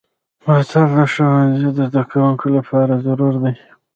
بوتل د ښوونځي زدهکوونکو لپاره ضروري دی.